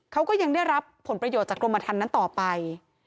เขาก็ยังได้รับผลประโยชน์จากกรมทันนั้นต่อไป